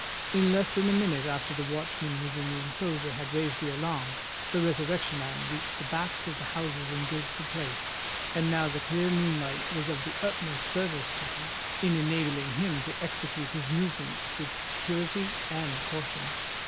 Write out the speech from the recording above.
In less than a minute after the watchman within the enclosure had raised the alarm, the Resurrection Man reached the backs of the houses in Guildford Place;—and now the clear moonlight was of the utmost service to him, in enabling him to execute his movements with security and caution.